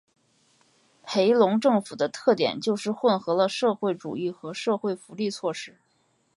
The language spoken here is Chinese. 裴隆政府的特点就是混合了社团主义和社会福利措施。